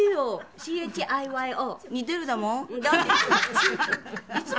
ＣＨＩＹＯ。